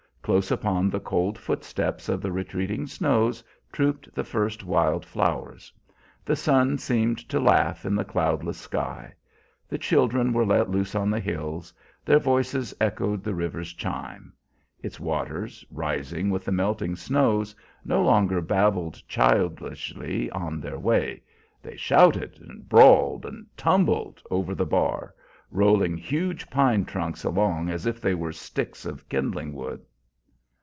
Close upon the cold footsteps of the retreating snows trooped the first wild flowers. The sun seemed to laugh in the cloudless sky. The children were let loose on the hills; their voices echoed the river's chime. Its waters, rising with the melting snows, no longer babbled childishly on their way; they shouted, and brawled, and tumbled over the bar, rolling huge pine trunks along as if they were sticks of kindling wood.